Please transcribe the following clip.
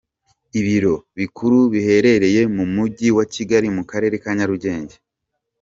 Ibiro bikuru biherereye mu Mujyi wa Kigali mu Karere ka Nyarugenge.